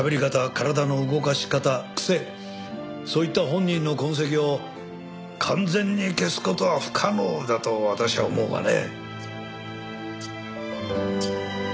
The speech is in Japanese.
体の動かし方癖そういった本人の痕跡を完全に消す事は不可能だと私は思うがね。